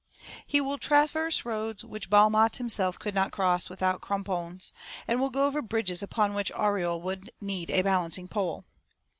He will traverse roads which Balmat himself could not cross without crampons, and will go over bridges upon which Auriol would need a balancing pole.